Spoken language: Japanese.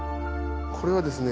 これはですね。